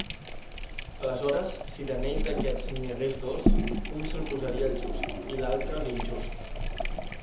Aleshores, si d'anells d'aquests n'hi hagués dos, un se'l posaria el just, i l'altre l'injust.